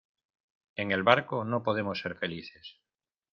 en el barco no podemos ser felices